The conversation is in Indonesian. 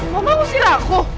mau bangus diraku